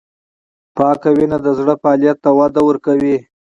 پاکه وینه د زړه فعالیت ته وده ورکوي.